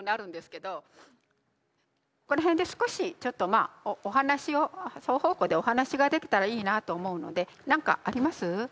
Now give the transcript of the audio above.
ここら辺で少しちょっとまあお話を双方向でお話ができたらいいなと思うので何かあります？あります？